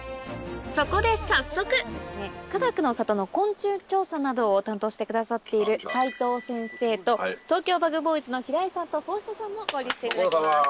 そこで早速かがくの里の昆虫調査などを担当してくださっている斉藤先生とＴｏｋｙｏＢｕｇＢｏｙｓの平井さんと法師人さんも合流していただきます。